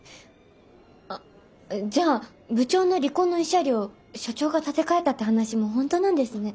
あっじゃあ部長の離婚の慰謝料社長が立て替えたって話も本当なんですね。